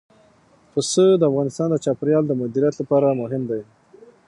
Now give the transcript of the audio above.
پسه د افغانستان د چاپیریال د مدیریت لپاره مهم دي.